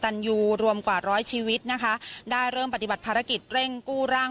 ตันยูรวมกว่าร้อยชีวิตนะคะได้เริ่มปฏิบัติภารกิจเร่งกู้ร่าง